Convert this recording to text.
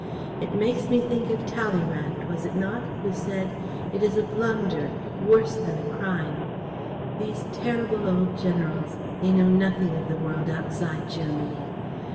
"It makes me think of Talleyrand was it not? who said 'It is a blunder; worse than a crime' ... these terrible old generals, they know nothing of the world outside Germany."